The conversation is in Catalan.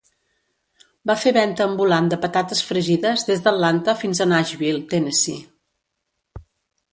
Va fer venta ambulant de patates fregides des d'Atlanta fins a Nashville, Tennessee.